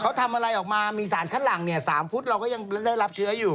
เขาทำอะไรออกมามีสารคัดหลังเนี่ย๓ฟุตเราก็ยังได้รับเชื้ออยู่